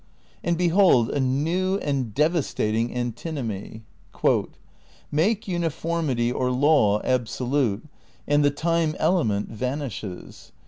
And behold a new and devastating antinomy: "Make uniformity or law absolute and the time element vanishes.